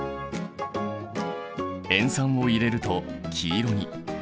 塩酸を入れると黄色に。